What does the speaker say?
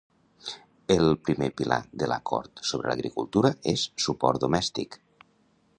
El primer Pilar de l'acord sobre l'agricultura és "suport domèstic".